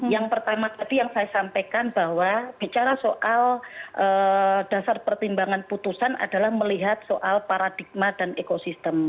yang pertama tadi yang saya sampaikan bahwa bicara soal dasar pertimbangan putusan adalah melihat soal paradigma dan ekosistem